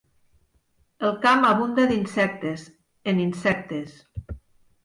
El camp abunda d'insectes, en insectes.